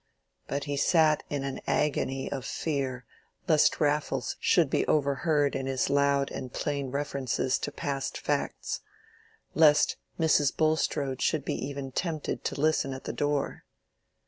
But he sat in an agony of fear lest Raffles should be overheard in his loud and plain references to past facts—lest Mrs. Bulstrode should be even tempted to listen at the door.